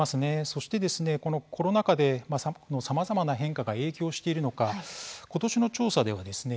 そしてコロナ禍でさまざまな変化が影響しているのか今年の調査ではですね